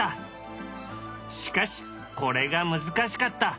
しかしこれが難しかった。